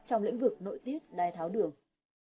trong lĩnh vực nội tiết đai tháo đường